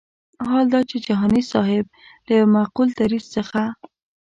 حال دا چې جهاني صاحب له یو معقول دریځ څخه.